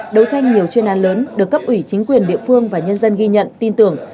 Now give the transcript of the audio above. đấu tranh nhiều chuyên án lớn được cấp ủy chính quyền địa phương và nhân dân ghi nhận tin tưởng